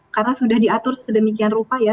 karena sudah diatur sedemikian rupa ya